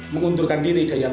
mengunturkan diri hidayat lutasco